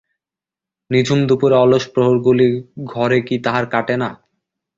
নিঝুম দুপুরের অলস প্রহরগুলি ঘরে কি তাহার কাটে না?